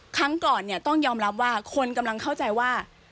ครั้งก่อนเนี่ยต้องยอมรับว่าคนกำลังเข้าใจว่า